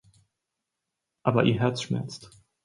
Aber ihr Herz schmerzt.